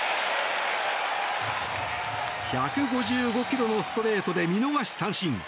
１５５キロのストレートで見逃し三振。